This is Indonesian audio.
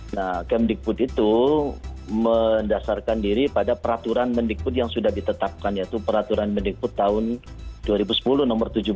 nah kemdikbud itu mendasarkan diri pada peraturan mendikbud yang sudah ditetapkan yaitu peraturan mendikbud tahun dua ribu sepuluh nomor tujuh belas